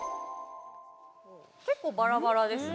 結構バラバラですね。